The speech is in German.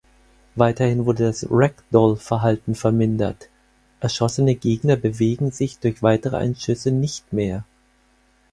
Weiterhin wurde das Ragdoll-Verhalten vermindert: Erschossene Gegner bewegen sich durch weitere Einschüsse nicht mehr.